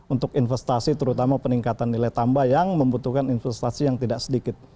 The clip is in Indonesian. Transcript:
untuk investasi terutama peningkatan nilai tambah yang membutuhkan investasi yang tidak sedikit